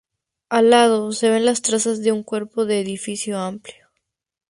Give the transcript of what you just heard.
Al lado, se ven las trazas de un cuerpo de edificio amplio.